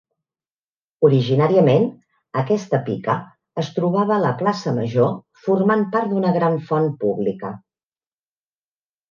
Originàriament aquesta pica es trobava a la plaça major formant part d'una gran font pública.